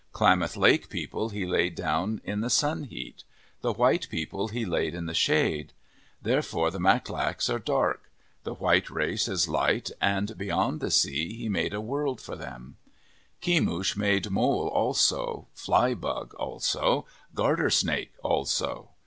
Klamath Lake people he laid down in the sun heat. The white people he laid in the shade. Therefore the Maklaks are dark. The white race is light and beyond the sea he made a world for them. Kemush made mole also, flybug also, garter snake also.